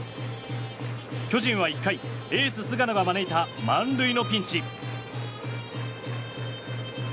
巨人は１回、エース菅野が招いた満塁のピンチ。